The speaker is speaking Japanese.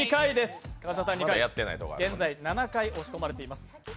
現在、７回押し込まれています。